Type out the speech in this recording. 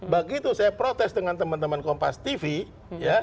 begitu saya protes dengan teman teman kompas tv ya